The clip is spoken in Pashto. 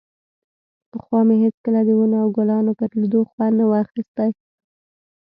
پخوا مې هېڅکله د ونو او ګلانو پر ليدو خوند نه و اخيستى.